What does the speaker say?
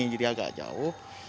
jadi agak jauh